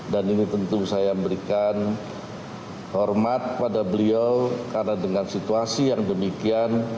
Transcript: ini tentu saya memberikan hormat pada beliau karena dengan situasi yang demikian